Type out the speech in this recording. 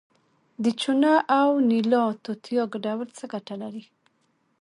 د چونه او نیلا توتیا ګډول څه ګټه لري؟